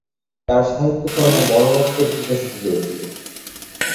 তার সাহিত্যকর্ম মরণোত্তর প্রকাশিত হয়েছিল।